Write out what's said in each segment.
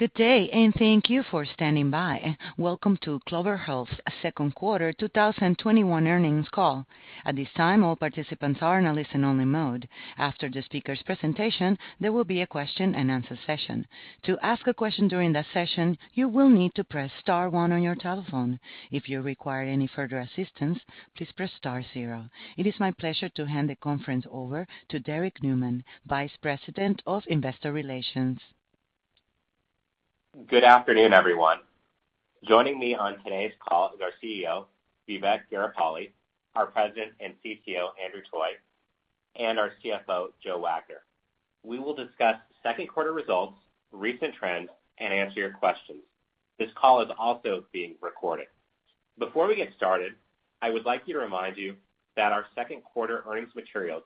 Good day. Thank you for standing by. Welcome to Clover Health's second quarter 2021 earnings call. At this time, all participants are in a listen only mode. After the speaker's presentation, there will be a question and answer session. It is my pleasure to hand the conference over to Derrick Nueman, Vice President of Investor Relations. Good afternoon, everyone. Joining me on today's call is our CEO, Vivek Garipalli, our President and CTO, Andrew Toy, and our CFO, Joe Wagner. We will discuss second quarter results, recent trends, and answer your questions. This call is also being recorded. Before we get started, I would like you to remind you that our second quarter earnings materials,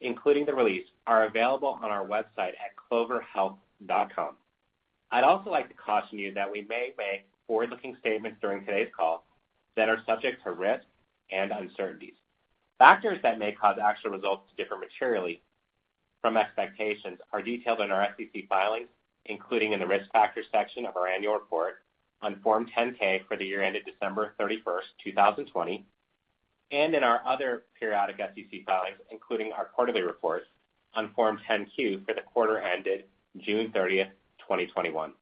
including the release, are available on our website at cloverhealth.com. I'd also like to caution you that we may make forward-looking statements during today's call that are subject to risk and uncertainties. Factors that may cause actual results to differ materially from expectations are detailed in our SEC filings, including in the Risk Factors section of our Annual Report on Form 10-K for the year ended December 31st, 2020, and in our other periodic SEC filings, including our quarterly reports on Form 10-Q for the quarter ended June 30th, 2021.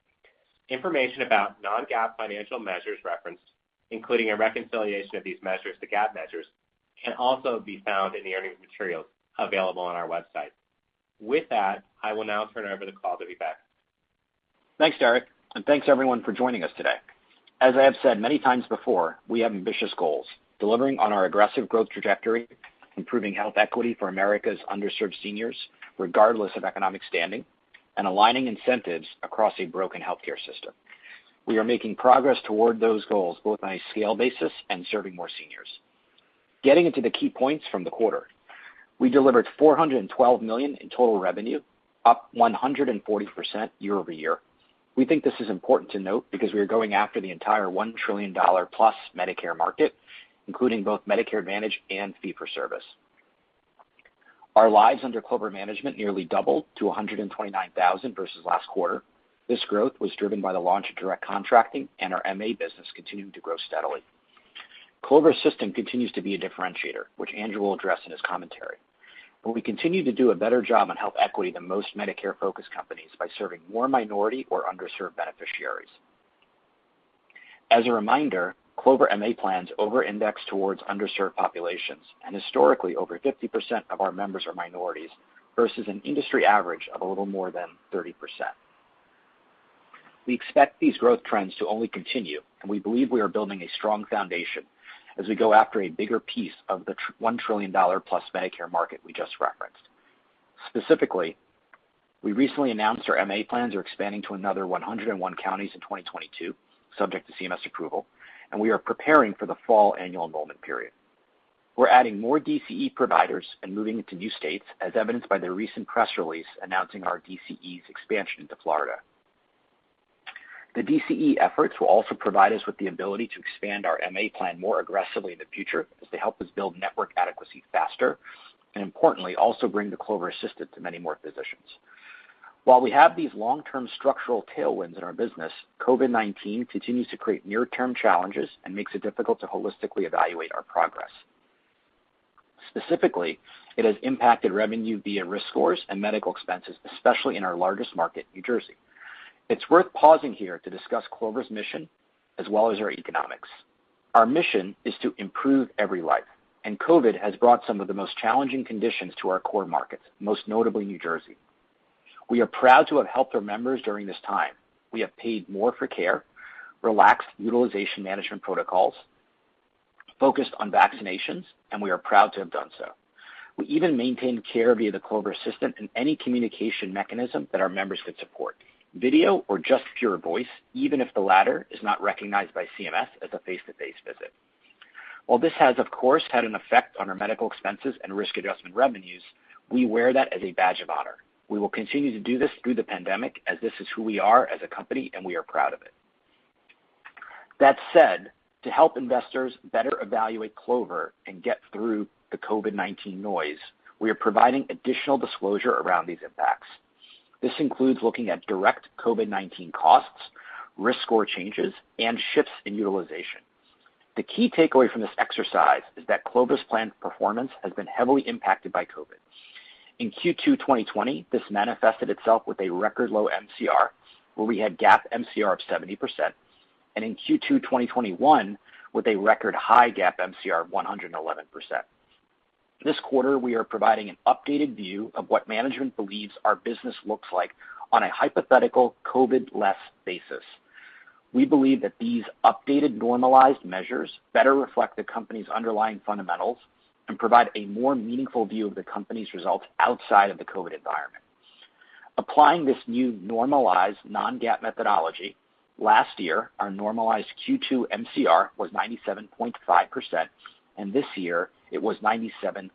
Information about non-GAAP financial measures referenced, including a reconciliation of these measures to GAAP measures, can also be found in the earnings materials available on our website. With that, I will now turn over the call to Vivek. Thanks, Derrick, thanks everyone for joining us today. As I have said many times before, we have ambitious goals, delivering on our aggressive growth trajectory, improving health equity for America's underserved seniors, regardless of economic standing, and aligning incentives across a broken healthcare system. We are making progress toward those goals, both on a scale basis and serving more seniors. Getting into the key points from the quarter. We delivered $412 million in total revenue, up 140% year-over-year. We think this is important to note because we are going after the entire $1 trillion+ Medicare market, including both Medicare Advantage and fee for service. Our lives under Clover management nearly doubled to 129,000 versus last quarter. This growth was driven by the launch direct contracting and our MA business continuing to grow steadily. Clover Assistant continues to be a differentiator, which Andrew will address in his commentary. We continue to do a better job on health equity than most Medicare-focused companies by serving more minority or underserved beneficiaries. As a reminder, Clover MA plans over-index towards underserved populations, and historically, over 50% of our members are minorities versus an industry average of a little more than 30%. We expect these growth trends to only continue, and we believe we are building a strong foundation as we go after a bigger piece of the $1 trillion+ Medicare market we just referenced. Specifically, we recently announced our MA plans are expanding to another 101 counties in 2022, subject to CMS approval, and we are preparing for the fall annual enrollment period. We're adding more DCE providers and moving into new states, as evidenced by the recent press release announcing our DCE's expansion into Florida. The DCE efforts will also provide us with the ability to expand our MA plan more aggressively in the future as they help us build network adequacy faster, and importantly, also bring the Clover Assistant to many more physicians. While we have these long-term structural tailwinds in our business, COVID-19 continues to create near-term challenges and makes it difficult to holistically evaluate our progress. Specifically, it has impacted revenue via risk scores and medical expenses, especially in our largest market, New Jersey. It's worth pausing here to discuss Clover's mission as well as our economics. Our mission is to improve every life, and COVID has brought some of the most challenging conditions to our core markets, most notably New Jersey. We are proud to have helped our members during this time. We have paid more for care, relaxed utilization management protocols, focused on vaccinations. We are proud to have done so. We even maintained care via the Clover Assistant in any communication mechanism that our members could support, video or just pure voice, even if the latter is not recognized by CMS as a face-to-face visit. While this has, of course, had an effect on our medical expenses and risk adjustment revenues, we wear that as a badge of honor. We will continue to do this through the pandemic as this is who we are as a company. We are proud of it. That said, to help investors better evaluate Clover and get through the COVID-19 noise, we are providing additional disclosure around these impacts. This includes looking at direct COVID-19 costs, risk score changes, and shifts in utilization. The key takeaway from this exercise is that Clover's plan performance has been heavily impacted by COVID. In Q2 2020, this manifested itself with a record low MCR, where we had GAAP MCR of 70%, and in Q2 2021, with a record high GAAP MCR of 111%. This quarter, we are providing an updated view of what management believes our business looks like on a hypothetical COVID-less basis. We believe that these updated normalized measures better reflect the company's underlying fundamentals and provide a more meaningful view of the company's results outside of the COVID environment. Applying this new normalized non-GAAP methodology, last year, our normalized Q2 MCR was 97.5%, and this year, it was 97.0%.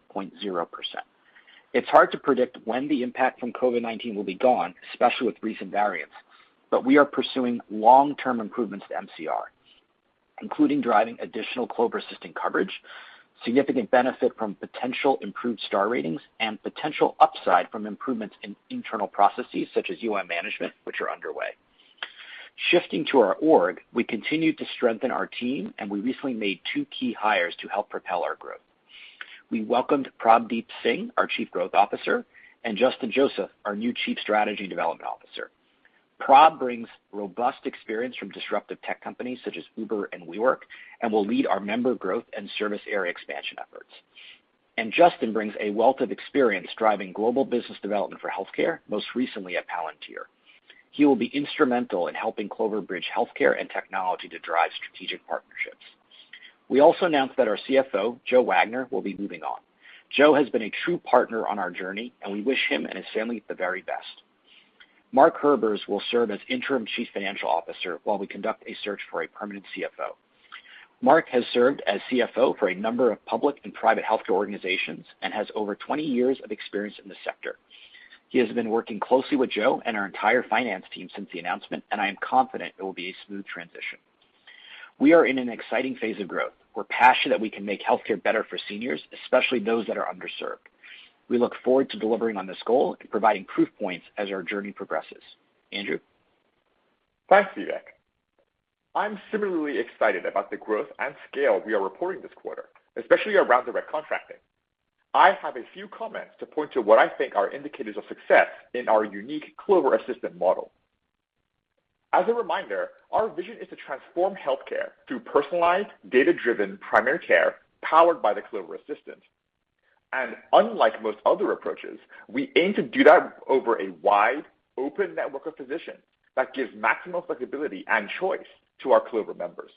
It's hard to predict when the impact from COVID-19 will be gone, especially with recent variants, but we are pursuing long-term improvements to MCR. Including driving additional Clover Assistant coverage, significant benefit from potential improved star ratings and potential upside from improvements in internal processes such as UM management, which are underway. Shifting to our org, we continue to strengthen our team, and we recently made two key hires to help propel our growth. We welcomed Prabhdeep Singh, our Chief Growth Officer, and Justin Joseph, our new Chief Strategy Development Officer. Prabh brings robust experience from disruptive tech companies such as Uber and WeWork and will lead our member growth and service area expansion efforts. Justin brings a wealth of experience driving global business development for healthcare, most recently at Palantir. He will be instrumental in helping Clover bridge healthcare and technology to drive strategic partnerships. We also announced that our CFO, Joe Wagner, will be moving on. Joe has been a true partner on our journey, and we wish him and his family the very best. Mark Herbers will serve as interim Chief Financial Officer while we conduct a search for a permanent CFO. Mark has served as CFO for a number of public and private healthcare organizations and has over 20 years of experience in the sector. He has been working closely with Joe and our entire finance team since the announcement, and I am confident it will be a smooth transition. We are in an exciting phase of growth. We're passionate we can make healthcare better for seniors, especially those that are underserved. We look forward to delivering on this goal and providing proof points as our journey progresses. Andrew? Thanks, Vivek. I'm similarly excited about the growth and scale we are reporting this quarter, especially around direct contracting. I have a few comments to point to what I think are indicators of success in our unique Clover Assistant model. As a reminder, our vision is to transform healthcare through personalized, data-driven primary care powered by the Clover Assistant. Unlike most other approaches, we aim to do that over a wide open network of physicians that gives maximum flexibility and choice to our Clover members.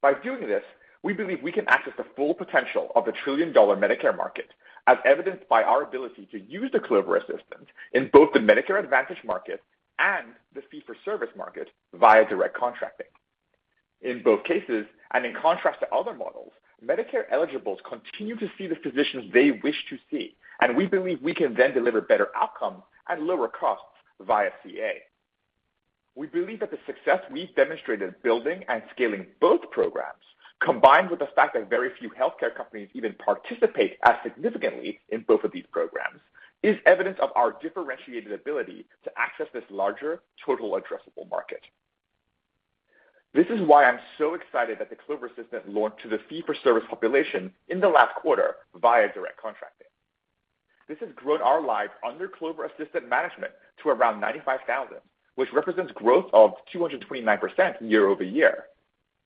By doing this, we believe we can access the full potential of the trillion-dollar Medicare market, as evidenced by our ability to use the Clover Assistant in both the Medicare Advantage market and the fee-for-service market via direct contracting. In both cases, and in contrast to other models, Medicare eligibles continue to see the physicians they wish to see, and we believe we can then deliver better outcomes at lower costs via CA. We believe that the success we've demonstrated building and scaling both programs, combined with the fact that very few healthcare companies even participate as significantly in both of these programs, is evidence of our differentiated ability to access this larger total addressable market. This is why I'm so excited that the Clover Assistant launched to the fee-for-service population in the last quarter via direct contracting. This has grown our lives under Clover Assistant management to around 95,000, which represents growth of 229% year-over-year.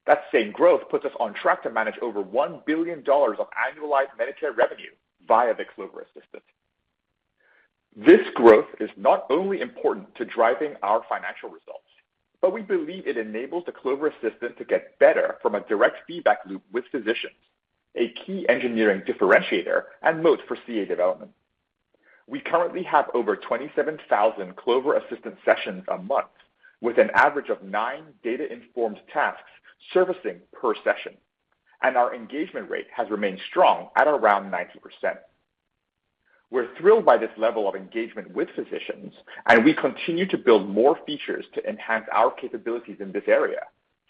That same growth puts us on track to manage over $1 billion of annualized Medicare revenue via the Clover Assistant. This growth is not only important to driving our financial results, but we believe it enables the Clover Assistant to get better from a direct feedback loop with physicians, a key engineering differentiator and moat for CA development. We currently have over 27,000 Clover Assistant sessions a month, with an average of nine data-informed tasks servicing per session, and our engagement rate has remained strong at around 90%. We're thrilled by this level of engagement with physicians, and we continue to build more features to enhance our capabilities in this area,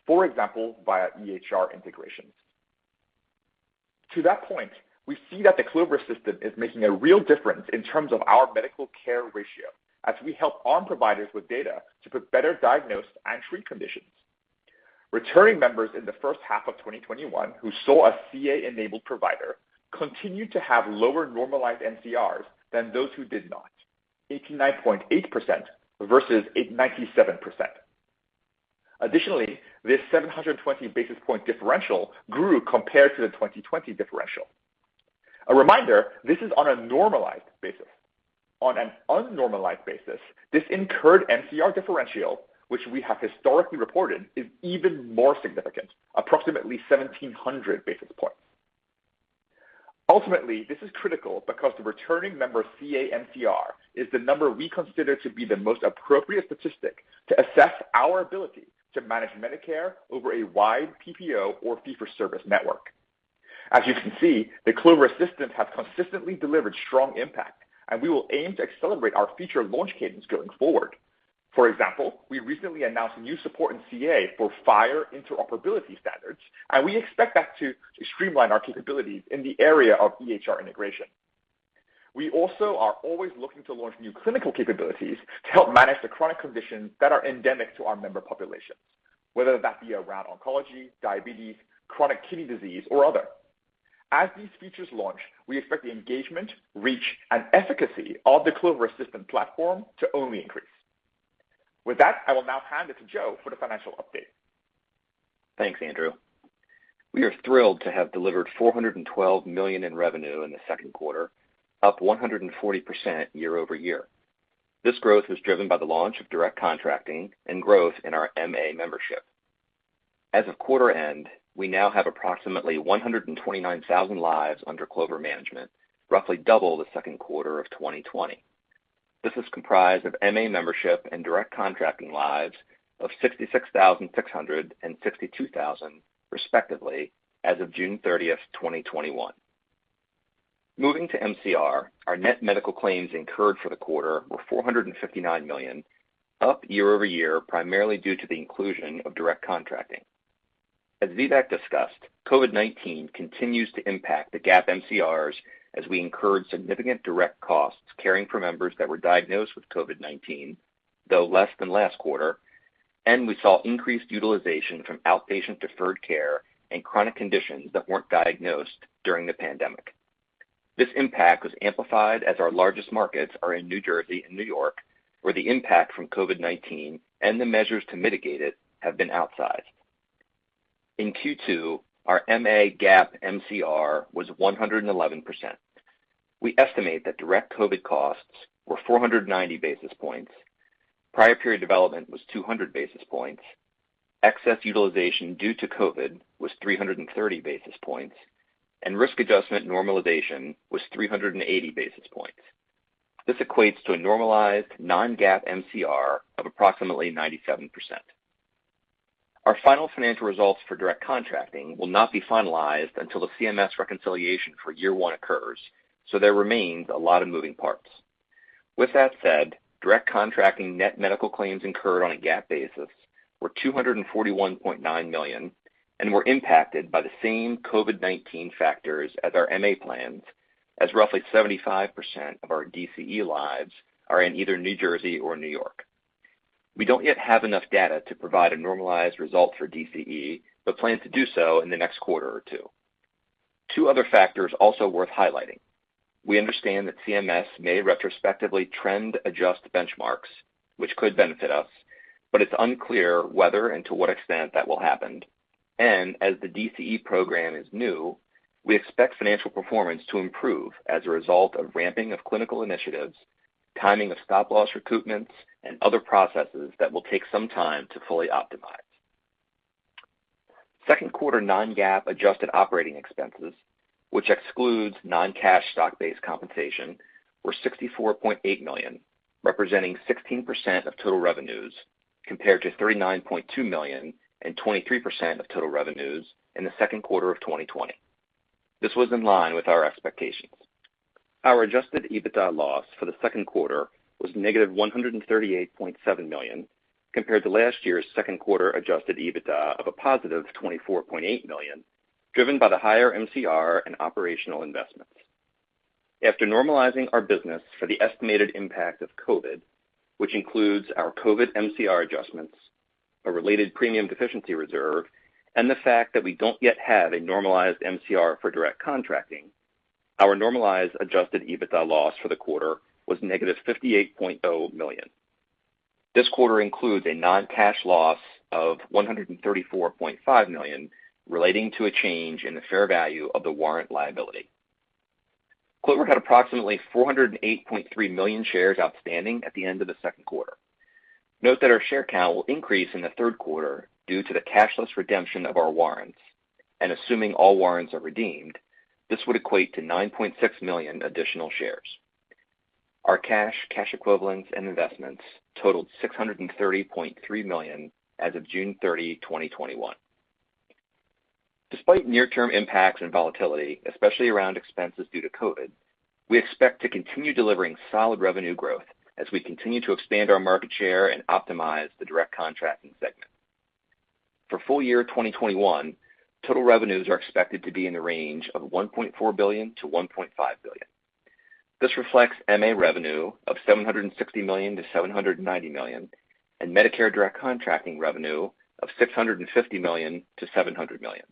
for example, via EHR integrations. To that point, we see that the Clover Assistant is making a real difference in terms of our medical care ratio as we help arm providers with data to put better diagnose and treat conditions. Returning members in the first half of 2021 who saw a CA-enabled provider continued to have lower normalized MCRs than those who did not, 89.8% versus 89.7%. Additionally this 720 basis point differential grew compared to the 2020 differential. A reminder, this is on a normalized basis. On an un-normalized basis, this incurred MCR differential, which we have historically reported, is even more significant, approximately 1,700 basis points. This is critical because the returning member CA MCR is the number we consider to be the most appropriate statistic to assess our ability to manage Medicare over a wide PPO or fee-for-service network. As you can see, the Clover Assistant has consistently delivered strong impact, we will aim to accelerate our future launch cadence going forward. For example, we recently announced new support in CA for FHIR interoperability standards, and we expect that to streamline our capabilities in the area of EHR integration. We also are always looking to launch new clinical capabilities to help manage the chronic conditions that are endemic to our member populations, whether that be around oncology, diabetes, chronic kidney disease, or other. As these features launch, we expect the engagement, reach, and efficacy of the Clover Assistant platform to only increase. With that, I will now hand it to Joe for the financial update. Thanks, Andrew. We are thrilled to have delivered $412 million in revenue in the second quarter, up 140% year-over-year. This growth was driven by the launch of direct contracting and growth in our MA membership. As of quarter end, we now have approximately 129,000 lives under Clover management, roughly double the second quarter of 2020. This is comprised of MA membership and direct contracting lives of 66,600 and 62,000, respectively, as of June 30th, 2021. Moving to MCR, our net medical claims incurred for the quarter were $459 million, up year-over-year, primarily due to the inclusion of direct contracting. As Vivek discussed, COVID-19 continues to impact the GAAP MCRs as we incurred significant direct costs caring for members that were diagnosed with COVID-19, though less than last quarter, and we saw increased utilization from outpatient deferred care and chronic conditions that weren't diagnosed during the pandemic. This impact was amplified as our largest markets are in New Jersey and New York, where the impact from COVID-19 and the measures to mitigate it have been outsized. In Q2, our MA GAAP MCR was 111%. We estimate that direct COVID costs were 490 basis points, prior period development was 200 basis points, excess utilization due to COVID was 330 basis points, and risk adjustment normalization was 380 basis points. This equates to a normalized non-GAAP MCR of approximately 97%. Our final financial results for direct contracting will not be finalized until the CMS reconciliation for year one occurs, there remains a lot of moving parts. With that said, direct contracting net medical claims incurred on a GAAP basis were $241.9 million and were impacted by the same COVID-19 factors as our MA plans, as roughly 75% of our DCE lives are in either New Jersey or New York. We don't yet have enough data to provide a normalized result for DCE, but plan to do so in the next quarter or two. Two other factors also worth highlighting. We understand that CMS may retrospectively trend adjust benchmarks, which could benefit us, but it's unclear whether and to what extent that will happen. As the DCE program is new, we expect financial performance to improve as a result of ramping of clinical initiatives, timing of stop-loss recoupments, and other processes that will take some time to fully optimize. Second quarter non-GAAP adjusted operating expenses, which excludes non-cash stock-based compensation, were $64.8 million, representing 16% of total revenues, compared to $39.2 million and 23% of total revenues in the second quarter of 2020. This was in line with our expectations. Our adjusted EBITDA loss for the second quarter was -$138.7 million, compared to last year's second quarter adjusted EBITDA of a +$24.8 million, driven by the higher MCR and operational investments. After normalizing our business for the estimated impact of COVID, which includes our COVID MCR adjustments, a related premium deficiency reserve, and the fact that we don't yet have a normalized MCR for direct contracting, our normalized adjusted EBITDA loss for the quarter was -$58.0 million. This quarter includes a non-cash loss of $134.5 million relating to a change in the fair value of the warrant liability. Clover had approximately 408.3 million shares outstanding at the end of the second quarter. Note that our share count will increase in the third quarter due to the cashless redemption of our warrants, and assuming all warrants are redeemed, this would equate to 9.6 million additional shares. Our cash equivalents, and investments totaled $630.3 million as of June 30, 2021. Despite near-term impacts and volatility, especially around expenses due to COVID, we expect to continue delivering solid revenue growth as we continue to expand our market share and optimize the direct contracting segment. For full year 2021, total revenues are expected to be in the range of $1.4 billion-$1.5 billion. This reflects MA revenue of $760 million-$790 million, and Medicare direct contracting revenue of $650 million-$700 million.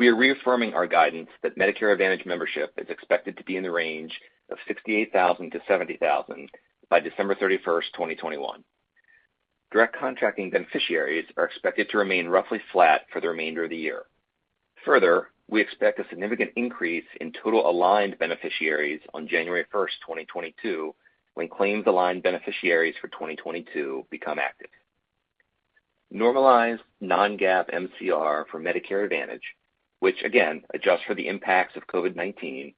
We are reaffirming our guidance that Medicare Advantage membership is expected to be in the range of 68,000-70,000 by December 31st, 2021. Direct contracting beneficiaries are expected to remain roughly flat for the remainder of the year. We expect a significant increase in total aligned beneficiaries on January 1st, 2022, when claims aligned beneficiaries for 2022 become active. Normalized non-GAAP MCR for Medicare Advantage, which again adjusts for the impacts of COVID-19,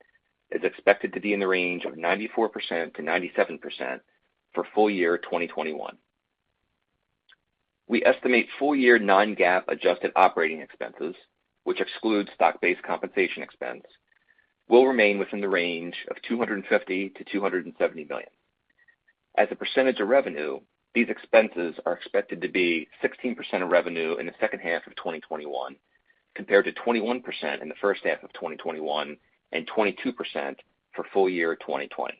is expected to be in the range of 94%-97% for full year 2021. We estimate full year non-GAAP adjusted operating expenses, which excludes stock-based compensation expense, will remain within the range of $250 million-$270 million. As a percentage of revenue, these expenses are expected to be 16% of revenue in the second half of 2021, compared to 21% in the first half of 2021 and 22% for full year 2020.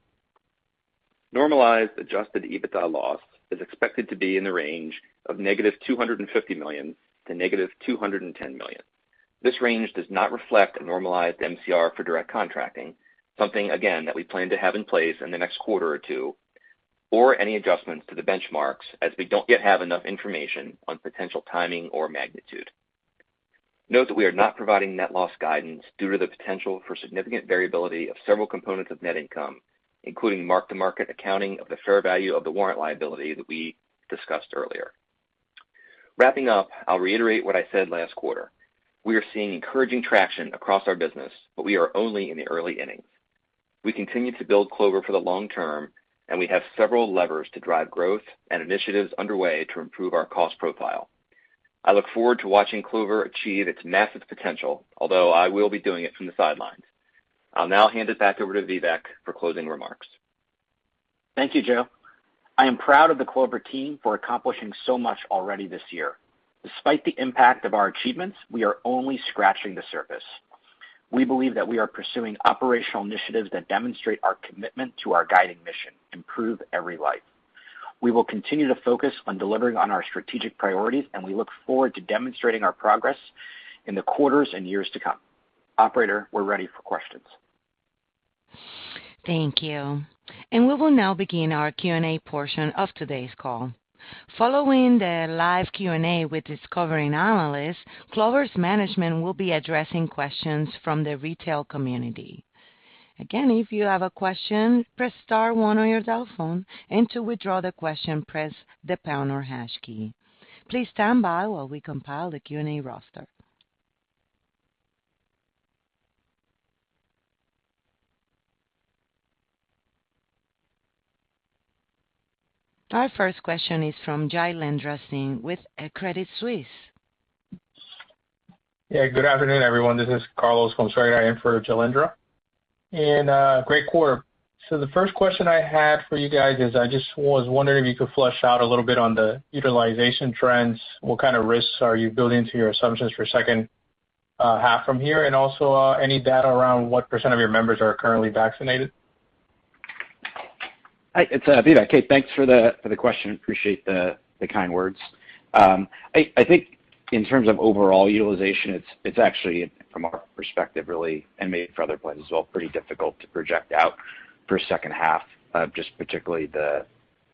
Normalized adjusted EBITDA loss is expected to be in the range of -$250 million to -$210 million. This range does not reflect a normalized MCR for direct contracting, something again that we plan to have in place in the next quarter or two, or any adjustments to the benchmarks as we don't yet have enough information on potential timing or magnitude. Note that we are not providing net loss guidance due to the potential for significant variability of several components of net income, including mark-to-market accounting of the fair value of the warrant liability that we discussed earlier. Wrapping up, I'll reiterate what I said last quarter. We are seeing encouraging traction across our business, but we are only in the early innings. We continue to build Clover for the long term, and we have several levers to drive growth and initiatives underway to improve our cost profile. I look forward to watching Clover achieve its massive potential, although I will be doing it from the sidelines. I'll now hand it back over to Vivek for closing remarks. Thank you, Joe. I am proud of the Clover team for accomplishing so much already this year. Despite the impact of our achievements, we are only scratching the surface. We believe that we are pursuing operational initiatives that demonstrate our commitment to our guiding mission: improve every life. We will continue to focus on delivering on our strategic priorities, and we look forward to demonstrating our progress in the quarters and years to come. Operator, we're ready for questions. Thank you. We will now begin our Q&A portion of today's call. Following the live Q&A with covering analysts, Clover's management will be addressing questions from the retail community. Again, if you have a question, press star one on your dial phone. To withdraw the question, press the pound or hash key. Please stand by while we compile the Q&A roster. Our first question is from Jailendra Singh with Credit Suisse. Good afternoon, everyone. This is Carlos Consuegra in for Jailendra. Great quarter. The first question I had for you guys is I was wondering if you could flesh out a little bit on the utilization trends. What kind of risks are you building to your assumptions for second half from here? Also, any data around what percent of your members are currently vaccinated? Hi, it's Vivek. Hey, thanks for the question. Appreciate the kind words. I think in terms of overall utilization, it's actually from our perspective, really, and maybe for other plans as well, pretty difficult to project out for second half, just particularly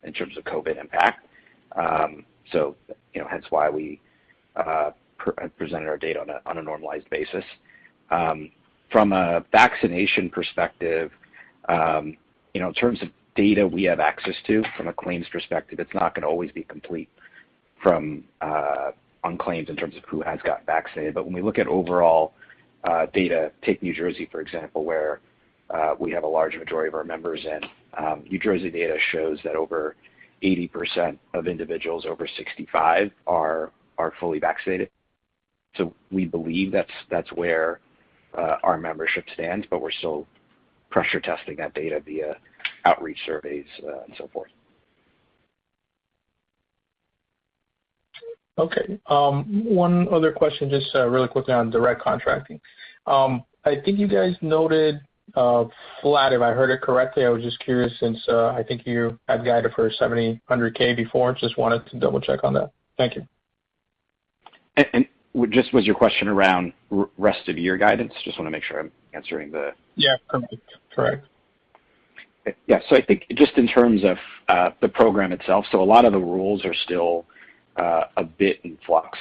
in terms of COVID impact. You know, hence why we pre-presented our data on a normalized basis. From a vaccination perspective, you know, in terms of data we have access to from a claims perspective, it's not gonna always be complete from on claims in terms of who has gotten vaccinated. When we look at overall data, take New Jersey, for example, where we have a large majority of our members in, New Jersey data shows that over 80% of individuals over 65 are fully vaccinated. We believe that's where our membership stands, but we're still pressure testing that data via outreach surveys and so forth. Okay. One other question, just really quickly on direct contracting. I think you guys noted flat, if I heard it correctly. I was just curious since I think you had guided for $700,000 before. Just wanted to double-check on that. Thank you. Just was your question around rest of year guidance? Yeah. Correct. Yeah. I think just in terms of, the program itself, so a lot of the rules are still, a bit in flux,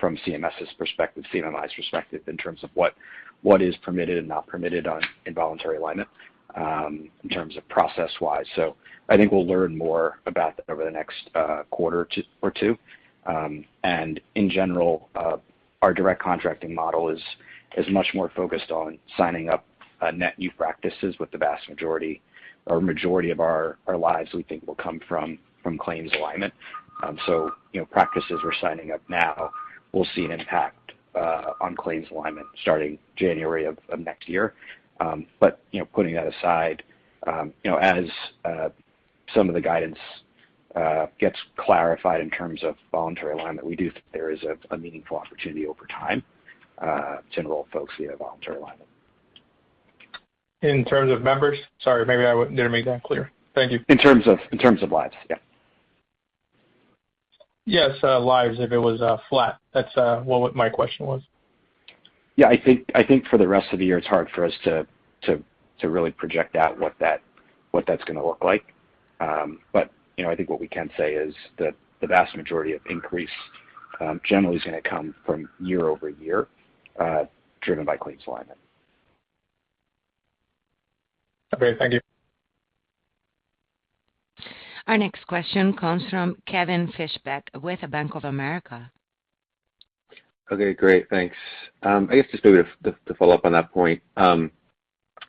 from CMS's perspective, CMMI's perspective in terms of what is permitted and not permitted on involuntary alignment, in terms of process-wise. I think we'll learn more about that over the next, quarter or two. In general, our direct contracting model is much more focused on signing up, net new practices with the vast majority or majority of our lives we think will come from claims alignment. You know, practices we're signing up now will see an impact, on claims alignment starting January of next year. You know, putting that aside, you know, as some of the guidance gets clarified in terms of voluntary alignment, we do think there is a meaningful opportunity over time to enroll folks via voluntary alignment. In terms of members? Sorry, maybe I didn't make that clear. Thank you. In terms of lives, yeah. Yes, lives, if it was flat. That's what my question was. Yeah, I think for the rest of the year, it's hard for us to really project out what that's going to look like. You know, I think what we can say is that the vast majority of increase generally is going to come from year-over-year driven by claims alignment. Great. Thank you. Our next question comes from Kevin Fischbeck with Bank of America. Okay, great. Thanks. I guess just maybe to follow up on that point. I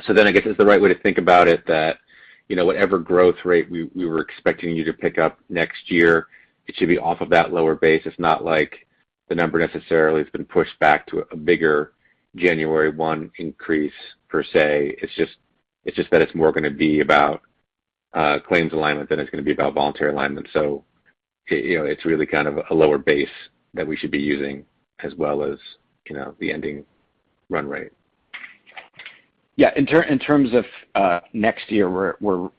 guess is the right way to think about it that, you know, whatever growth rate we were expecting you to pick up next year, it should be off of that lower base. It's not like the number necessarily has been pushed back to a bigger January one increase per se. It's just that it's more gonna be about claims alignment than it's gonna be about voluntary alignment. You know, it's really kind of a lower base that we should be using as well as, you know, the ending run-rate. Yeah. In terms of next year, we're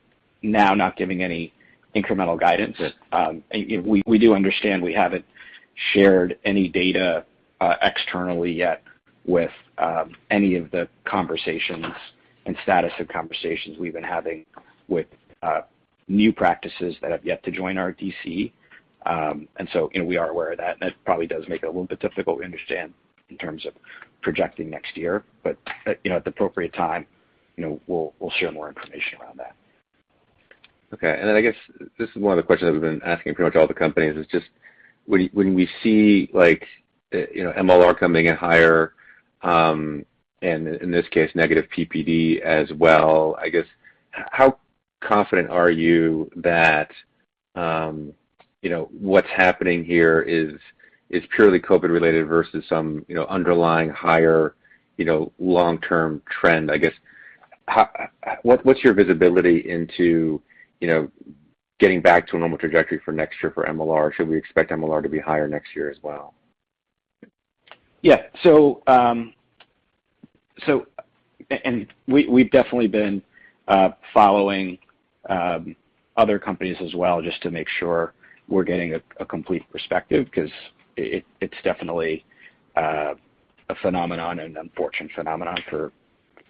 now not giving any incremental guidance. You know, we do understand we haven't shared any data externally yet with any of the conversations and status of conversations we've been having with new practices that have yet to join our DCE. You know, we are aware of that, and it probably does make it a little bit difficult to understand in terms of projecting next year. You know, at the appropriate time, you know, we'll share more information around that. I guess this is one of the questions I've been asking pretty much all the companies is just when we see like, you know, MLR coming in higher, and in this case negative PPD as well, I guess how confident are you that, you know, what's happening here is purely COVID related versus some, you know, underlying higher, you know, long-term trend? I guess what's your visibility into, you know, getting back to a normal trajectory for next year for MLR? Should we expect MLR to be higher next year as well? Yeah. And we've definitely been following other companies as well just to make sure we're getting a complete perspective because it's definitely a phenomenon, an unfortunate phenomenon for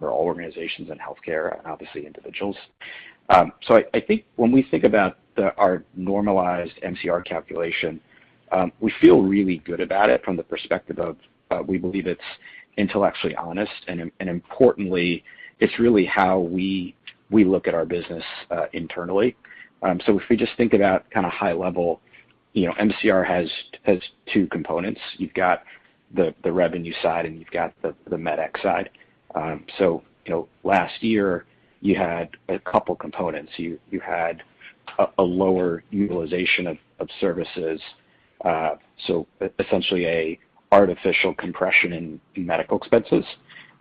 all organizations in healthcare and obviously individuals. I think when we think about our normalized MCR calculation, we feel really good about it from the perspective of, we believe it's intellectually honest and importantly, it's really how we look at our business internally. If we just think about kind of high level, you know, MCR has two components. You've got the revenue side, and you've got the Medex side. You know, last year you had couple components. You had a lower utilization of services, essentially an artificial compression in medical expenses.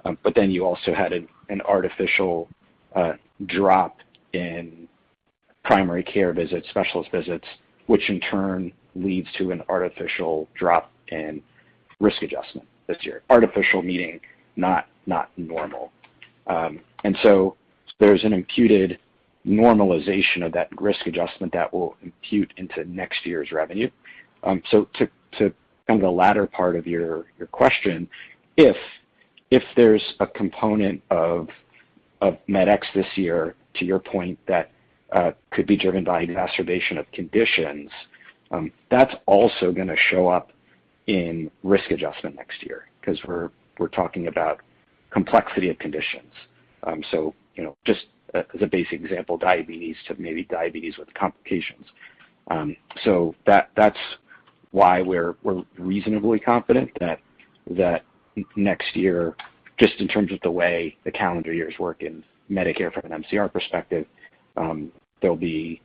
You also had an artificial drop in primary care visits, specialist visits, which in turn leads to an artificial drop in risk adjustment this year. Artificial meaning not normal. There's an imputed normalization of that risk adjustment that will impute into next year's revenue. To kind of the latter part of your question, if there's a component of Medex this year, to your point, that could be driven by an exacerbation of conditions, that's also gonna show up in risk adjustment next year because we're talking about complexity of conditions. You know, just as a basic example, diabetes to maybe diabetes with complications. That's why we're reasonably confident that next year, just in terms of the way the calendar years work in Medicare from an MCR perspective, they'll be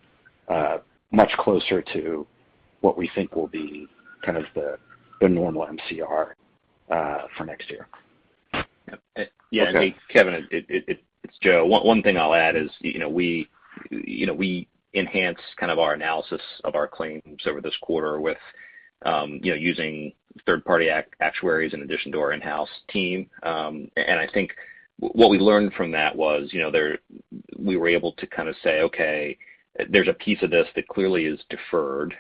much closer to what we think will be kind of the normal MCR for next year. Okay. Yeah. Hey, Kevin, it's Joe. One thing I'll add is, you know, we, you know, we enhance kind of our analysis of our claims over this quarter with, you know, using third-party actuaries in addition to our in-house team. I think what we learned from that was, you know, we were able to kind of say, Okay, there's a piece of this that clearly is deferred.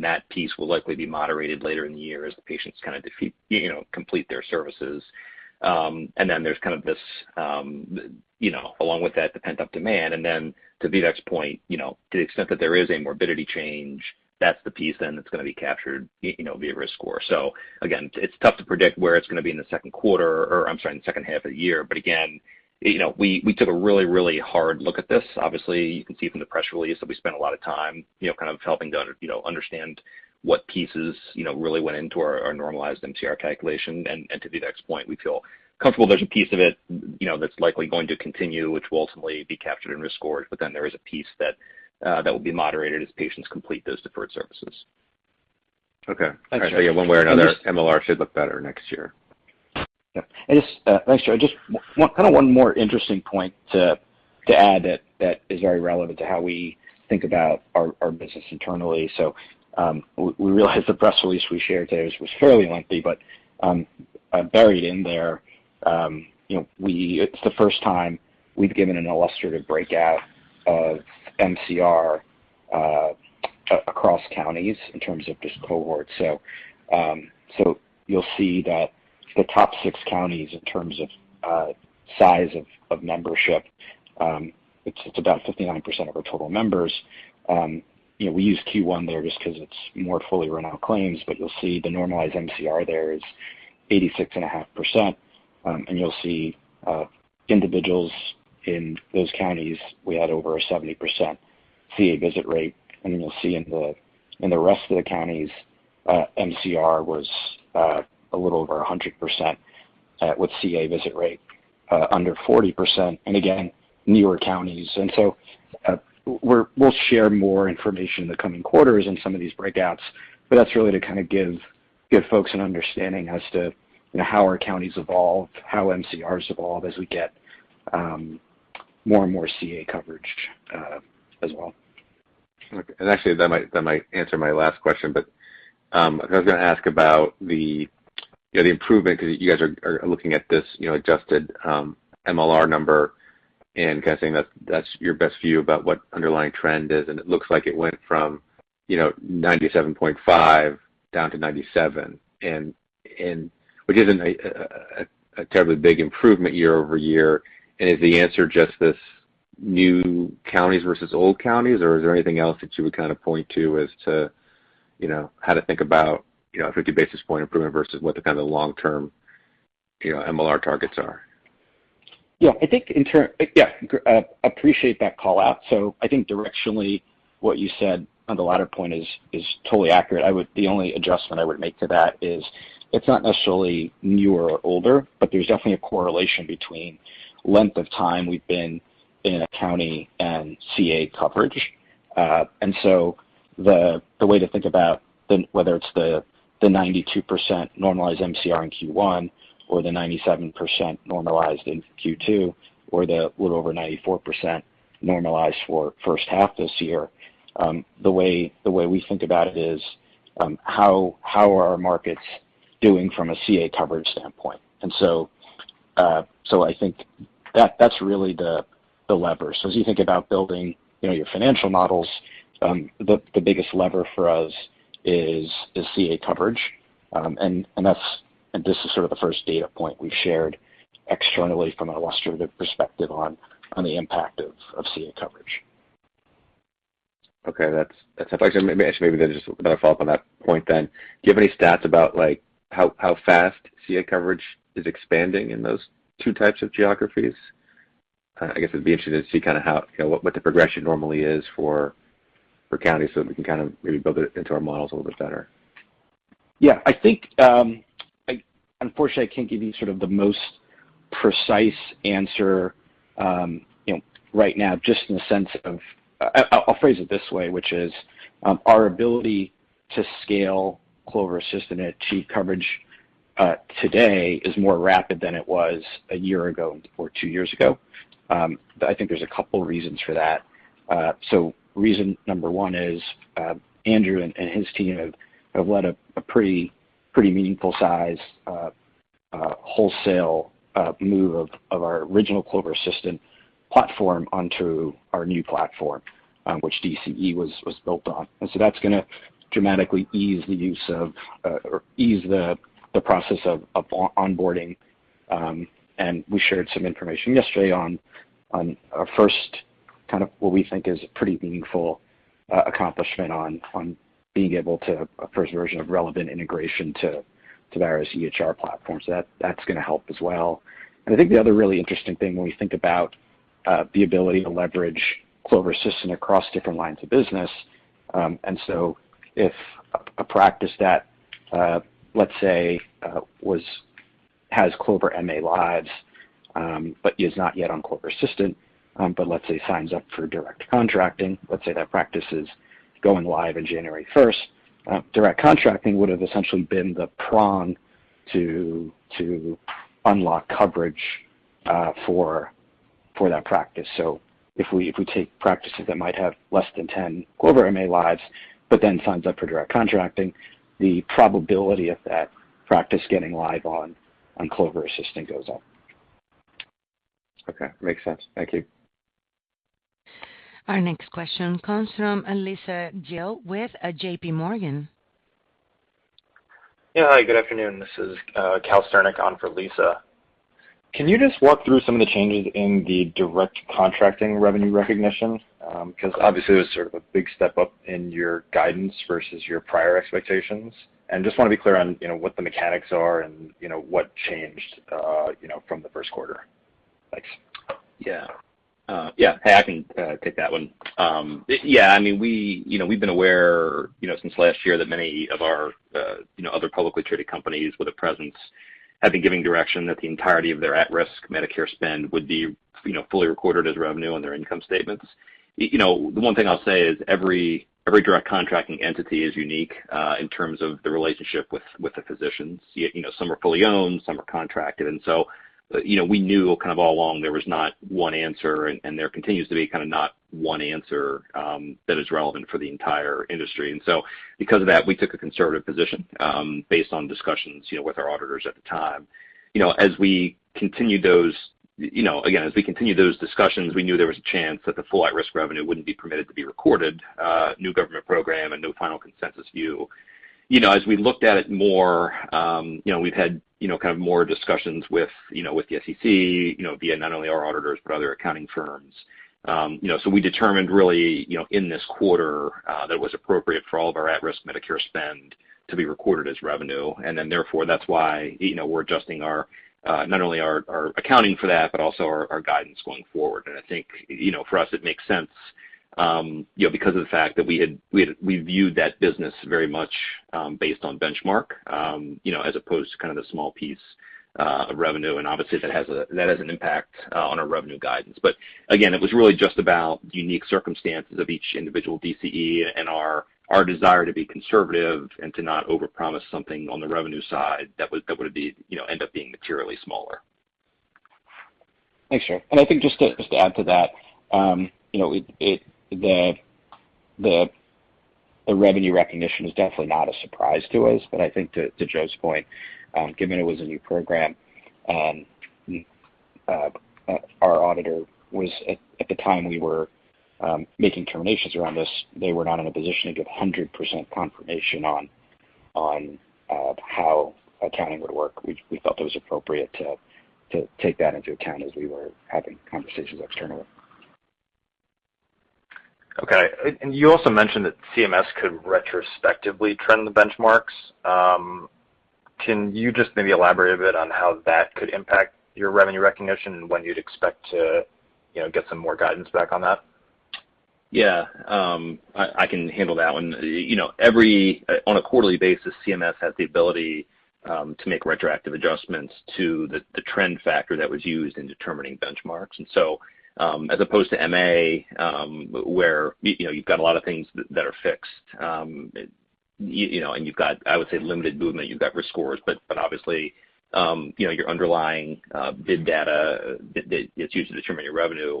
That piece will likely be moderated later in the year as the patients kind of you know, complete their services. There's kind of this, you know, along with that, the pent-up demand. To Vivek's point, you know, to the extent that there is a morbidity change, that's the piece then that's gonna be captured, you know, via risk score. Again, it's tough to predict where it's going to be in the second quarter, or I'm sorry, in the second half of the year. Again, you know, we took a really hard look at this. Obviously, you can see from the press release that we spent a lot of time, you know, kind of helping to understand what pieces, you know, really went into our normalized MCR calculation. To Vivek's point, we feel comfortable there's a piece of it, you know, that's likely going to continue, which will ultimately be captured and risk scored, there is a piece that will be moderated as patients complete those deferred services. Okay. Actually. Yeah, one way or another, MLR should look better next year. Thanks, Joe. Just one more interesting point to add that is very relevant to how we think about our business internally. We realize the press release we shared today was fairly lengthy, but buried in there, it's the first time we've given an illustrative breakout of MCR across counties in terms of just cohort. You'll see that the top six counties in terms of size of membership, it's about 59% of our total members. We use Q1 there just 'cause it's more fully run out claims, but you'll see the normalized MCR there is 86.5%. And you'll see individuals in those counties, we had over a 70% CA visit rate. You'll see in the rest of the counties, MCR was a little over 100%, with CA visit rate under 40%. Again, newer counties. We'll share more information in the coming quarters on some of these breakouts, but that's really to kind of give folks an understanding as to, you know, how our counties evolve, how MCRs evolve as we get more and more CA coverage as well. Okay. Actually, that might answer my last question, but I was gonna ask about the, you know, the improvement because you guys are looking at this, you know, adjusted MLR number and kind of saying that's your best view about what underlying trend is. It looks like it went from, you know, 97.5% down to 97%, and which isn't a terribly big improvement year-over-year. Is the answer just this new counties versus old counties, or is there anything else that you would kind of point to as to, you know, how to think about, you know, 50 basis point improvement versus what the kind of long-term, you know, MLR targets are Yeah, I think appreciate that call-out. I think directionally, what you said on the latter point is totally accurate. The only adjustment I would make to that is it's not necessarily newer or older, but there's definitely a correlation between length of time we've been in a county and CA coverage. The way to think about whether it's the 92% normalized MCR in Q1 or the 97% normalized in Q2 or the little over 94% normalized for first half this year, the way we think about it is how are our markets doing from a CA coverage standpoint? I think that's really the lever. As you think about building, you know, your financial models, the biggest lever for us is CA coverage. This is sort of the first data point we've shared externally from an illustrative perspective on the impact of CA coverage. Okay. That's helpful. Actually, maybe just a better follow-up on that point. Do you have any stats about, like, how fast CA coverage is expanding in those two types of geographies? I guess it'd be interesting to see kind of how, you know, what the progression normally is for counties so that we can kind of maybe build it into our models a little bit better. Yeah. I think, unfortunately, I can't give you sort of the most precise answer, you know, right now, just in the sense of I'll phrase it this way, which is, our ability to scale Clover Assistant and achieve coverage today is more rapid than it was a year ago or two years ago. I think there's a couple reasons for that. Reason number one is Andrew and his team have led a pretty meaningful size wholesale move of our original Clover Assistant platform onto our new platform, which DCE was built on. That's gonna dramatically ease the use of or ease the process of onboarding. And we shared some information yesterday on our first kind of what we think is a pretty meaningful accomplishment on being able to a first version of relevant integration to various EHR platforms. That's going to help as well. I think the other really interesting thing when we think about the ability to leverage Clover Assistant across different lines of business, if a practice that let's say has Clover MA lives, but is not yet on Clover Assistant, but let's say signs up for direct contracting, let's say that practice is going live on January 1st, direct contracting would've essentially been the prong to unlock coverage for that practice. If we take practices that might have less than 10 Clover MA lives but then signs up for direct contracting, the probability of that practice getting live on Clover Assistant goes up. Okay. Makes sense. Thank you. Our next question comes from Lisa Gill with JPMorgan. Hi, good afternoon. This is Cal Sternick on for Lisa. Can you just walk through some of the changes in the direct contracting revenue recognition? 'Cause obviously, it was sort of a big step up in your guidance versus your prior expectations. Just wanna be clear on, you know, what the mechanics are and, you know, what changed, you know, from the first quarter. Thanks. Yeah. Yeah. Hey, I can take that one. Yeah, I mean, we, you know, we've been aware, you know, since last year that many of our, you know, other publicly traded companies with a presence have been giving direction that the entirety of their at-risk Medicare spend would be, you know, fully recorded as revenue on their income statements. You know, the one thing I'll say is every direct contracting entity is unique in terms of the relationship with the physicians. You know, some are fully owned, some are contracted. So, you know, we knew kind of all along there was not one answer, and there continues to be kind of not one answer that is relevant for the entire industry. Because of that, we took a conservative position, based on discussions, you know, with our auditors at the time. Again, as we continued those discussions, we knew there was a chance that the full at-risk revenue wouldn't be permitted to be recorded. New government program and no final consensus view. As we looked at it more, we've had kind of more discussions with the SEC, via not only our auditors, but other accounting firms. We determined really, in this quarter, that it was appropriate for all of our at-risk Medicare spend to be recorded as revenue. Therefore, that's why, you know, we're adjusting our, not only our accounting for that, but also our guidance going forward. I think, you know, for us, it makes sense, you know, because of the fact that we viewed that business very much, based on benchmark, you know, as opposed to kind of the small piece of revenue. Obviously, that has a, that has an impact on our revenue guidance. Again, it was really just about unique circumstances of each individual DCE and our desire to be conservative and to not overpromise something on the revenue side that would be, you know, end up being materially smaller. Thanks, Joe. I think just to add to that, you know, the revenue recognition is definitely not a surprise to us. I think to Joe's point, given it was a new program, our auditor was at the time we were making determinations around this, they were not in a position to give 100% confirmation on how accounting would work. We felt it was appropriate to take that into account as we were having conversations externally. Okay. You also mentioned that CMS could retrospectively trend the benchmarks. Can you just maybe elaborate a bit on how that could impact your revenue recognition and when you'd expect to, you know, get some more guidance back on that? Yeah. I can handle that one. You know, every on a quarterly basis, CMS has the ability to make retroactive adjustments to the trend factor that was used in determining benchmarks. As opposed to MA, where, you know, you've got a lot of things that are fixed, you know, and you've got, I would say, limited movement. You've got risk scores, but obviously, you know, your underlying bid data that's used to determine your revenue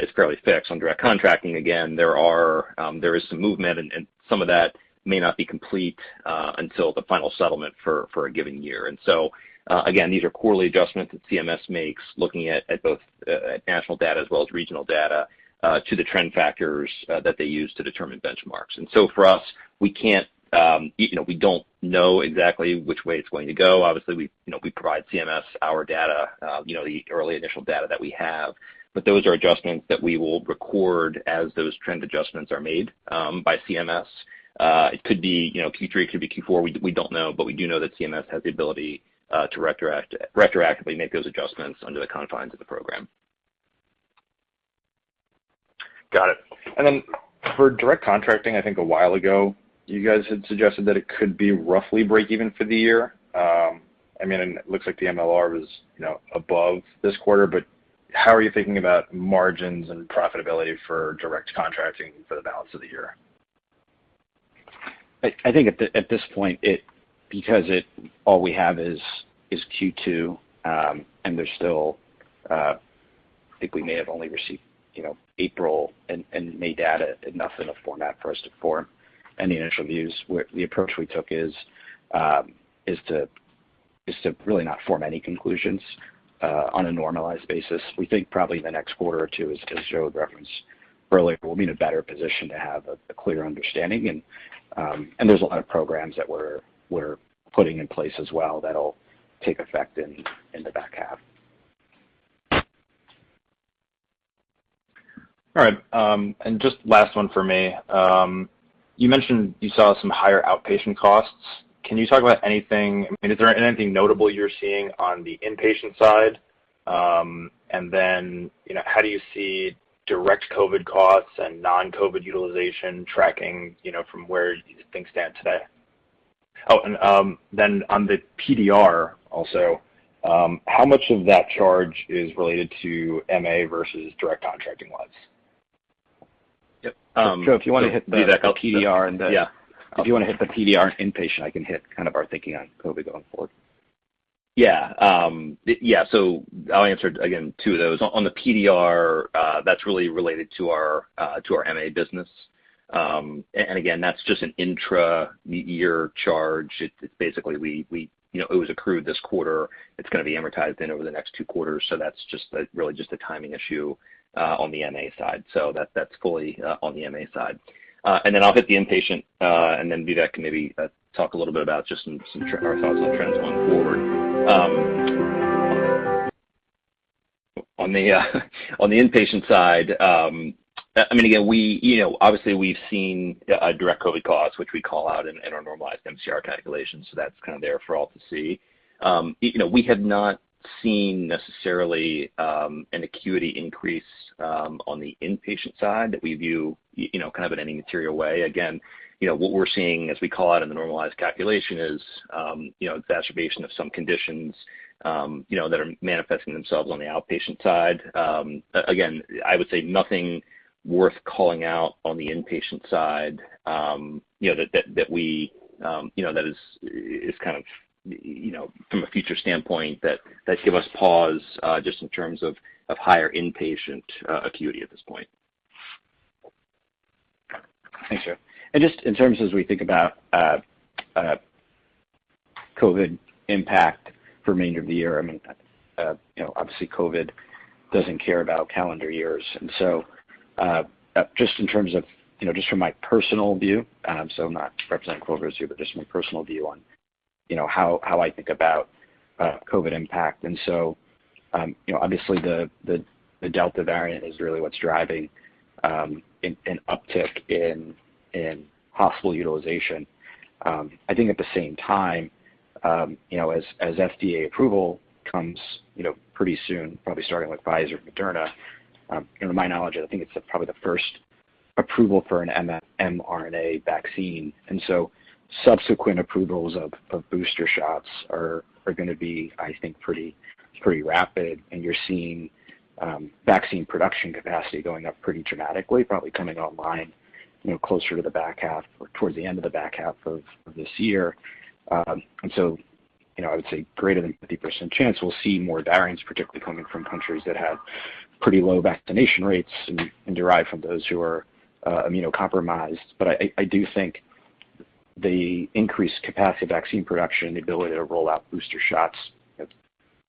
is fairly fixed. On direct contracting, again, there is some movement and some of that may not be complete until the final settlement for a given year. Again, these are quarterly adjustments that CMS makes looking at both at national data as well as regional data to the trend factors that they use to determine benchmarks. For us, we can't, we don't know exactly which way it's going to go. Obviously, we provide CMS our data, the early initial data that we have. Those are adjustments that we will record as those trend adjustments are made by CMS. It could be Q3, it could be Q4. We don't know, but we do know that CMS has the ability to retroactively make those adjustments under the confines of the program. Got it. For direct contracting, I think a while ago, you guys had suggested that it could be roughly breakeven for the year. I mean, it looks like the MLR was, you know, above this quarter. How are you thinking about margins and profitability for direct contracting for the balance of the year? I think at this point, because all we have is Q2, and there's still, I think we may have only received, you know, April and May data enough in a format for us to form any initial views. The approach we took is to really not form any conclusions on a normalized basis. We think probably in the next quarter or two, as Joe referenced earlier, we'll be in a better position to have a clear understanding, and there's a lot of programs that we're putting in place as well that'll take effect in the back half. All right. Just last one from me. You mentioned you saw some higher outpatient costs. Can you talk about anything, is there anything notable you're seeing on the inpatient side? How do you see direct COVID costs and non-COVID utilization tracking from where things stand today? On the PDR also, how much of that charge is related to MA versus direct contracting wise? Yep. Joe, if you wanna hit the PDR. Yeah. If you wanna hit the PDR and inpatient, I can hit kind of our thinking on COVID going forward. Yeah. I'll answer, again, two of those. On the PDR, that's really related to our to our MA business. Again, that's just an intra-year charge. It's basically we, you know, it was accrued this quarter. It's going to be amortized in over the next two quarters, that's really just a timing issue on the MA side. That's fully on the MA side. I'll hit the inpatient, Vivek can maybe talk a little bit about just some our thoughts on trends going forward. On the inpatient side, I mean, again, we, you know, obviously we've seen direct COVID costs, which we call out in our normalized MCR calculations, that's kind of there for all to see. You know, we have not seen necessarily an acuity increase on the inpatient side that we view, you know, kind of in any material way. Again, you know, what we're seeing, as we call out in the normalized calculation, is, you know, exacerbation of some conditions that are manifesting themselves on the outpatient side. Again, I would say nothing worth calling out on the inpatient side, you know, that we, you know, that is kind of, you know, from a future standpoint that give us pause just in terms of higher inpatient acuity at this point. Thanks, Joe. Just in terms as we think about COVID impact for remainder of the year, I mean, you know, obviously COVID doesn't care about calendar years. Just in terms of, you know, just from my personal view, I'm not representing Clover here, but just my personal view on, you know, how I think about COVID impact. You know, obviously the Delta variant is really what's driving an uptick in hospital utilization. I think at the same time, you know, as FDA approval comes, you know, pretty soon, probably starting with Pfizer and Moderna, you know, to my knowledge, I think it's probably the first approval for an mRNA vaccine. Subsequent approvals of booster shots are gonna be, I think, pretty rapid. You're seeing vaccine production capacity going up pretty dramatically, probably coming online, you know, closer to the back half or towards the end of the back half of this year. You know, I would say greater than 50% chance we'll see more variants, particularly coming from countries that have pretty low vaccination rates and derived from those who are immunocompromised. I do think the increased capacity of vaccine production, the ability to roll out booster shots, you know,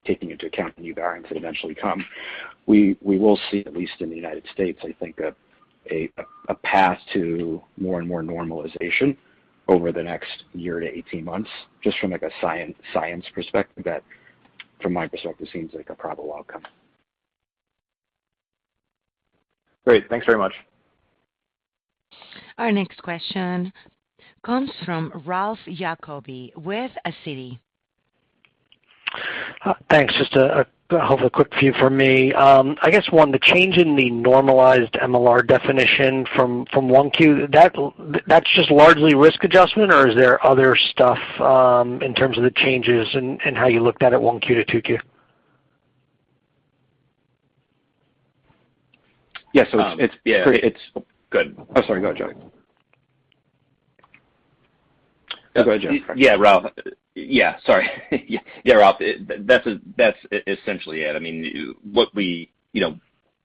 taking into account new variants that eventually come, we will see, at least in the United States, I think a path to more and more normalization over the next year to 18 months, just from like a science perspective. From my perspective, seems like a probable outcome. Great. Thanks very much. Our next question comes from Ralph Giacobbe with Citi. Thanks. Just a hopefully quick few for me. I guess one, the change in the normalized MLR definition from 1Q, that's just largely risk adjustment, or is there other stuff, in terms of the changes and how you looked at it 1Q to 2Q? Yes, it's. Yeah. It's Good. Oh, sorry. Go ahead, Joe. Yeah. Go ahead, Joe. Ralph. Yeah, sorry. Ralph, that's essentially it. I mean, what we, you know,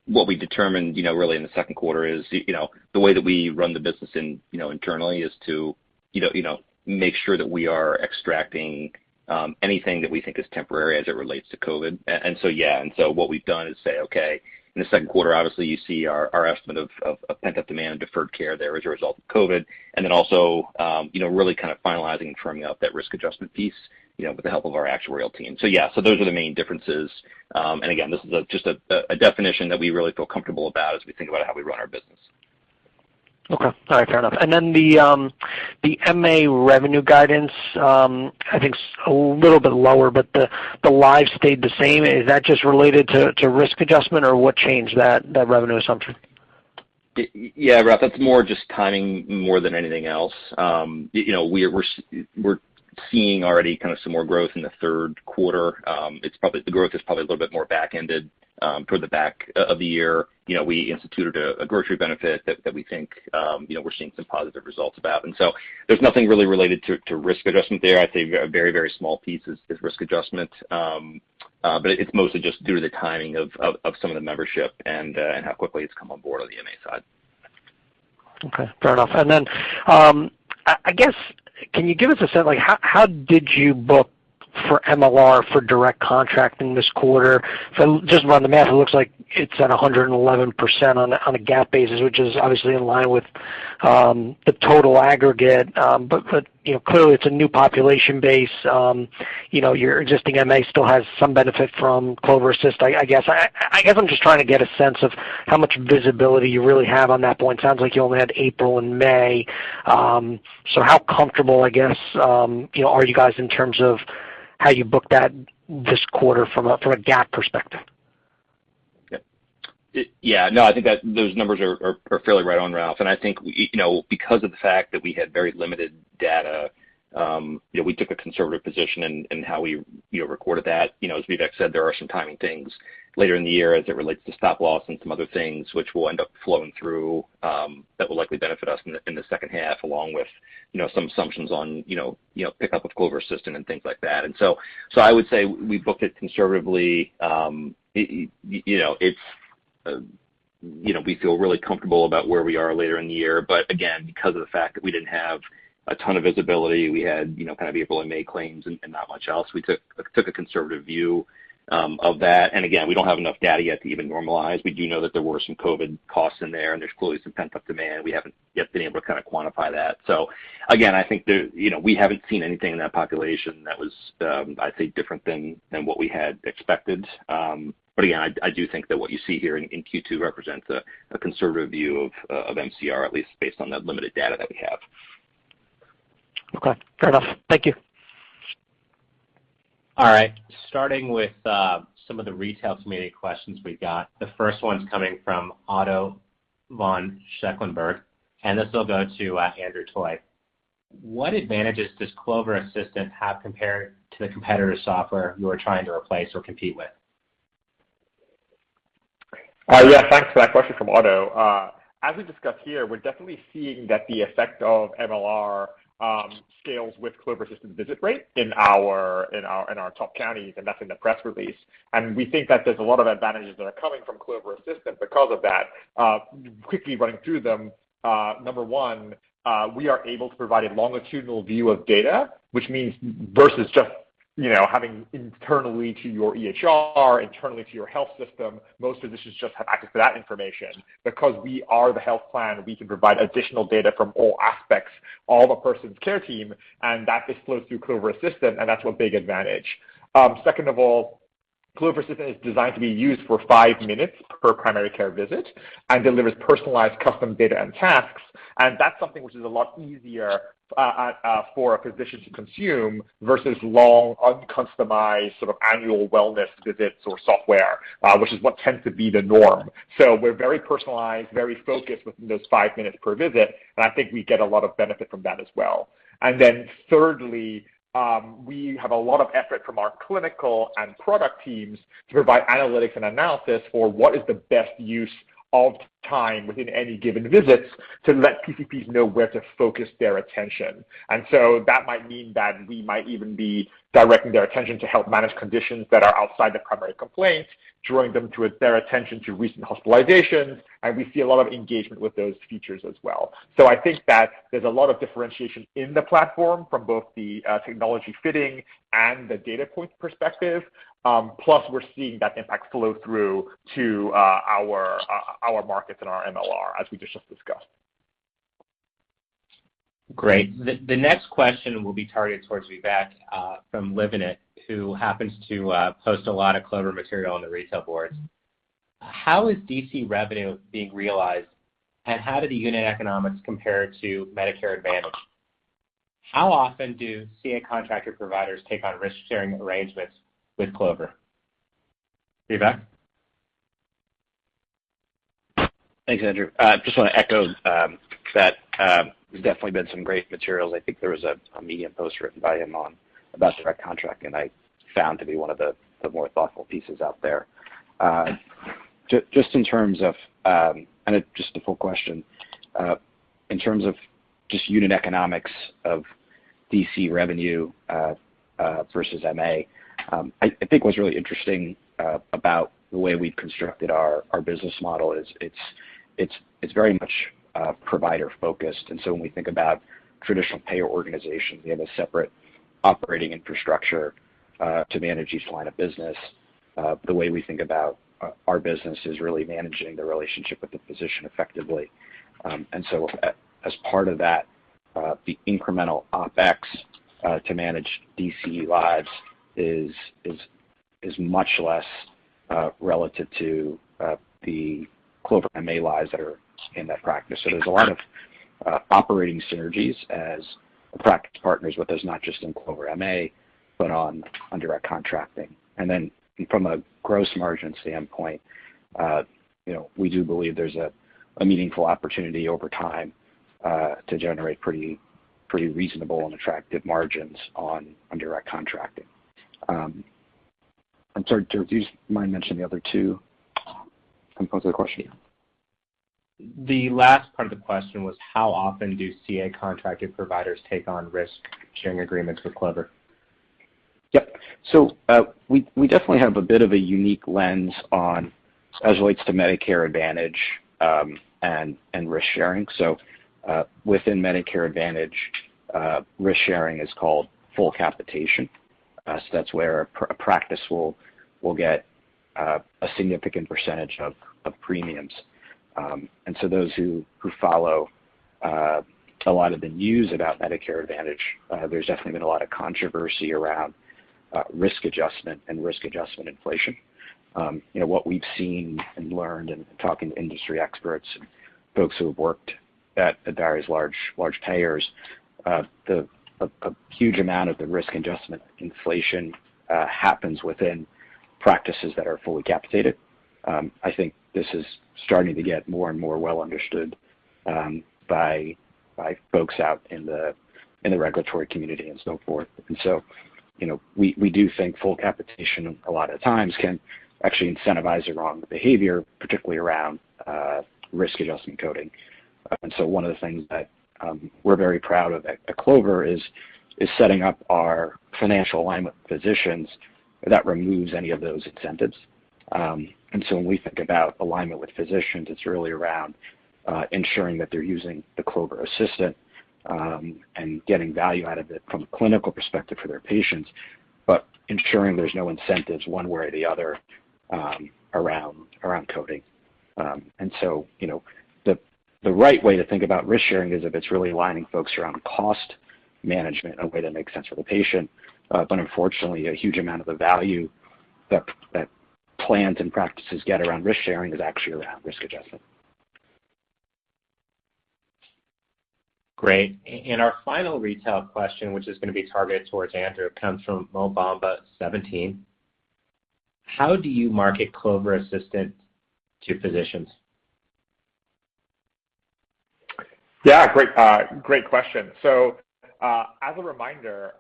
what we determined, you know, really in the second quarter is, you know, the way that we run the business in, you know, internally is to, you know, make sure that we are extracting anything that we think is temporary as it relates to COVID. What we've done is say, okay, in the second quarter, obviously you see our estimate of pent-up demand and deferred care there as a result of COVID, and then also, you know, really kind of finalizing and firming up that risk adjustment piece, you know, with the help of our actuarial team. Those are the main differences. Again, this is a, just a definition that we really feel comfortable about as we think about how we run our business. Okay. All right, fair enough. The MA revenue guidance, I think a little bit lower, but the live stayed the same. Is that just related to risk adjustment or what changed that revenue assumption? Ralph, that's more just timing more than anything else. You know, we're seeing already kind of some more growth in the third quarter. The growth is probably a little bit more back-ended toward the back of the year. You know, we instituted a grocery benefit that we think, you know, we're seeing some positive results about. There's nothing really related to risk adjustment there. I'd say a very, very small piece is risk adjustment. It's mostly just due to the timing of some of the membership and how quickly it's come on board on the MA side. Okay, fair enough. I guess, can you give us a sense like how did you book for MLR for direct contracting this quarter? From just running the math, it looks like it's at 111% on a GAAP basis, which is obviously in line with the total aggregate. But, you know, clearly it's a new population base. You know, your existing MA still has some benefit from Clover Assistant. I guess I'm just trying to get a sense of how much visibility you really have on that point. Sounds like you only had April and May. How comfortable, I guess, you know, are you guys in terms of how you book that this quarter from a GAAP perspective? Yeah, no, I think that those numbers are fairly right on, Ralph. I think, you know, because of the fact that we had very limited data, you know, we took a conservative position in how we, you know, recorded that. You know, as Vivek said, there are some timing things later in the year as it relates to stop-loss and some other things which will end up flowing through that will likely benefit us in the second half, along with, you know, some assumptions on, you know, pickup of Clover Assistant and things like that. So I would say we booked it conservatively. You know, it's, you know, we feel really comfortable about where we are later in the year. Because of the fact that we didn't have a ton of visibility, we had, you know, kind of April and May claims and not much else, we took a conservative view of that. Again, we don't have enough data yet to even normalize. We do know that there were some COVID costs in there, and there's clearly some pent-up demand. We haven't yet been able to kind of quantify that. Again, I think the, you know, we haven't seen anything in that population that was, I'd say different than what we had expected. Again, I do think that what you see here in Q2 represents a conservative view of MCR, at least based on the limited data that we have. Okay, fair enough. Thank you. All right. Starting with some of the retail community questions we've got. The first one's coming from [Otto von Schulenburg], and this will go to Andrew Toy. What advantages does Clover Assistant have compared to the competitor's software you are trying to replace or compete with? Thanks for that question from Otto. As we discussed here, we're definitely seeing that the effect of MLR scales with Clover Assistant visit rate in our top counties, and that's in the press release. We think that there's a lot of advantages that are coming from Clover Assistant because of that. Quickly running through them, number one, we are able to provide a longitudinal view of data, which means versus just, you know, having internally to your EHR, internally to your health system, most physicians just have access to that information. Because we are the health plan, we can provide additional data from all aspects, all the person's care team, and that just flows through Clover Assistant, and that's one big advantage. Second of all, Clover Assistant is designed to be used for five minutes per primary care visit and delivers personalized custom data and tasks, and that's something which is a lot easier for a physician to consume versus long, uncustomized, sort of annual wellness visits or software, which is what tends to be the norm. We're very personalized, very focused within those five minutes per visit, and I think we get a lot of benefit from that as well. Thirdly, we have a lot of effort from our clinical and product teams to provide analytics and analysis for what is the best use of time within any given visits to let PCPs know where to focus their attention. That might mean that we might even be directing their attention to help manage conditions that are outside the primary complaint, drawing them to their attention to recent hospitalizations, and we see a lot of engagement with those features as well. I think that there's a lot of differentiation in the platform from both the technology fitting and the data point perspective. Plus we're seeing that impact flow through to our markets and our MLR, as Vivek just discussed. Great. The next question will be targeted towards Vivek, from [Livinit], who happens to post a lot of Clover material on the retail boards. How is DC revenue being realized, and how do the unit economics compare to Medicare Advantage? How often do CA contractor providers take on risk-sharing arrangements with Clover? Vivek? Thanks, Andrew. I just wanna echo that there's definitely been some great materials. I think there was a Medium post written by him about direct contracting, and I found to be one of the more thoughtful pieces out there. Just in terms of just the full question, in terms of just unit economics of DCE revenue versus MA, I think what's really interesting about the way we've constructed our business model is it's very much provider-focused. When we think about traditional payer organizations, we have a separate operating infrastructure to manage each line of business. The way we think about our business is really managing the relationship with the physician effectively. As part of that, the incremental OpEx to manage DC lives is much less relative to the Clover MA lives that are in that practice. There's a lot of operating synergies as practice partners, but there's not just in Clover MA, but under our contracting. From a gross margin standpoint, you know, we do believe there's a meaningful opportunity over time to generate pretty reasonable and attractive margins on direct contracting. I'm sorry, do you mind mentioning the other two components of the question? The last part of the question was, how often do CA contracted providers take on risk-sharing agreements with Clover? Yep. We definitely have a bit of a unique lens on as it relates to Medicare Advantage and risk-sharing. That's where a practice will get a significant percentage of premiums. Those who follow a lot of the news about Medicare Advantage, there's definitely been a lot of controversy around risk adjustment and risk adjustment inflation. You know, what we've seen and learned in talking to industry experts and folks who have worked at the various large payers, a huge amount of the risk adjustment inflation happens within practices that are fully capitated. I think this is starting to get more and more well understood by folks out in the regulatory community and so forth. You know, we do think full capitation a lot of times can actually incentivize the wrong behavior, particularly around risk adjustment coding. One of the things that we're very proud of at Clover is setting up our financial alignment with physicians that removes any of those incentives. When we think about alignment with physicians, it's really around ensuring that they're using the Clover Assistant and getting value out of it from a clinical perspective for their patients, but ensuring there's no incentives one way or the other around coding. You know, the right way to think about risk-sharing is if it's really aligning folks around cost management in a way that makes sense for the patient. Unfortunately, a huge amount of the value that plans and practices get around risk-sharing is actually around risk adjustment. Great. Our final retail question, which is gonna be targeted towards Andrew Toy, comes from [mobomba_17]. How do you market Clover Assistant to physicians? Yeah, great question. As a reminder,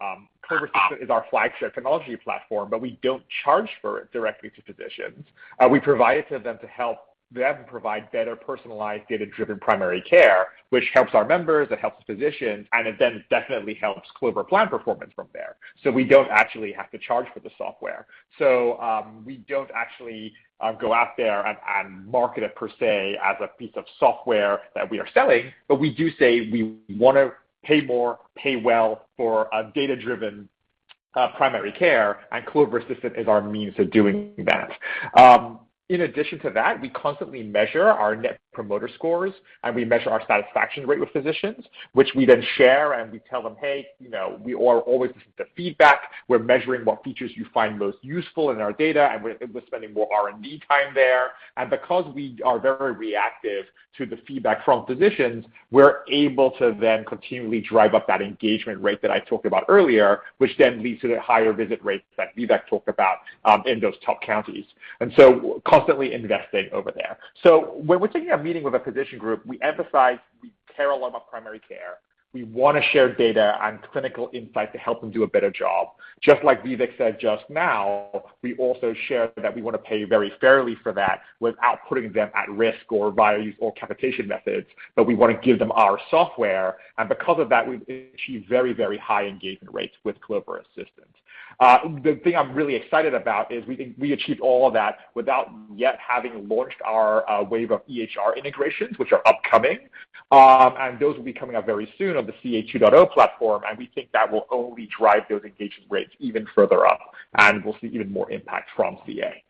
Clover Assistant is our flagship technology platform, but we don't charge for it directly to physicians. We provide it to them to help them provide better personalized data-driven primary care, which helps our members, it helps physicians, and it then definitely helps Clover plan performance from there. We don't actually have to charge for the software. We don't actually go out there and market it per se as a piece of software that we are selling, but we do say we wanna pay more, pay well for a data-driven primary care, and Clover Assistant is our means of doing that. In addition to that, we constantly measure our Net Promoter Scores, and we measure our satisfaction rate with physicians, which we then share, and we tell them, Hey, you know, we are always listening to feedback. We're measuring what features you find most useful in our data, and we're spending more R&D time there. Because we are very reactive to the feedback from physicians, we're able to then continually drive up that engagement rate that I talked about earlier, which then leads to the higher visit rates that Vivek talked about in those top counties. Constantly investing over there. When we're sitting in a meeting with a physician group, we emphasize we care a lot about primary care. We wanna share data and clinical insight to help them do a better job. Just like Vivek said just now, we also share that we wanna pay very fairly for that without putting them at risk or via use or capitation methods, but we wanna give them our software. Because of that, we've achieved very, very high engagement rates with Clover Assistant. The thing I'm really excited about is we think we achieved all of that without yet having launched our wave of EHR integrations, which are upcoming. Those will be coming out very soon on the CA 2.0 platform, and we think that will only drive those engagement rates even further up, and we'll see even more impact from CA.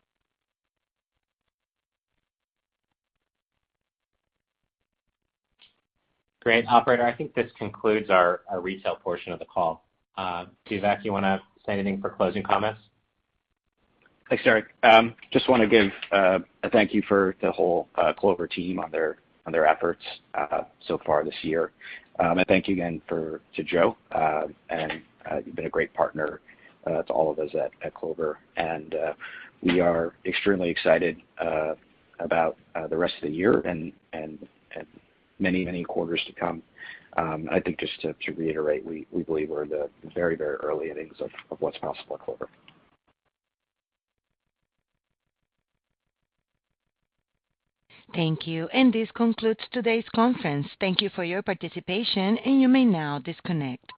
Great. Operator, I think this concludes our retail portion of the call. Vivek, you wanna say anything for closing comments? Thanks, Derrick. Just wanna give a thank you for the whole Clover team on their efforts so far this year. Thank you again to Joe. You've been a great partner to all of us at Clover. We are extremely excited about the rest of the year and many, many quarters to come. I think just to reiterate, we believe we're in the very, very early innings of what's possible at Clover. Thank you. This concludes today's conference. Thank you for your participation, and you may now disconnect.